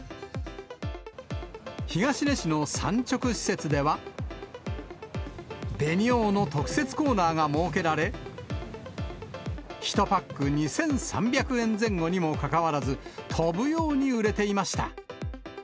東根市の産直施設では、紅王の特設コーナーが設けられ、１パック２３００円前後にもかかわらず、飛ぶように売れていました。